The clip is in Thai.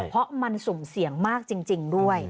เพราะมันสุ่มเสี่ยงมากจริงด้วย